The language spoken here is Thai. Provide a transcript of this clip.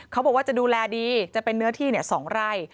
เขาบอกว่าจะดูแลดีจะเป็นเนื้อที่๒ไร่